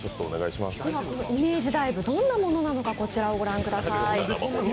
イメージダイブどんなものなのかこちらご覧ください。